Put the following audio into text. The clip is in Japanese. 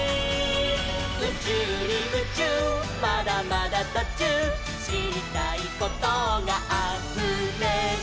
「うちゅうにムチューまだまだとちゅう」「しりたいことがあふれる」